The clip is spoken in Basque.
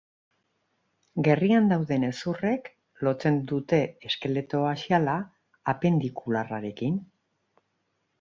Gerrian dauden hezurrek lotzen dute eskeleto axiala apendikularrarekin.